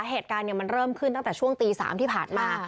เหตุการณ์มันเริ่มขึ้นตั้งแต่ช่วงตี๓ที่ผ่านมา